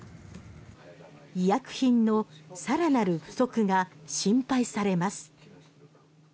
医薬品の更なる不足が心配されます。